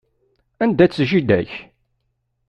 Anda-tt jida-k?